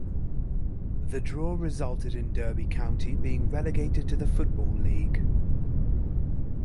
The draw resulted Derby County being relegated to the Football League.